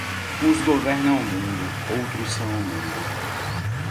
Uns governam o mundo, outros são o mundo.